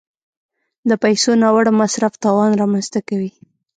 د پیسو ناوړه مصرف تاوان رامنځته کوي.